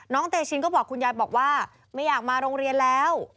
เตชินก็บอกคุณยายบอกว่าไม่อยากมาโรงเรียนแล้ว